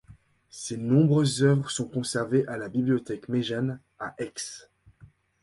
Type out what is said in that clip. Ses nombreuses œuvres sont conservées à la bibliothèque Méjanes, à Aix.